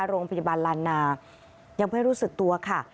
ที่พันธุ์พระธิบายราณายังไม่รู้สึกตัวค่ะ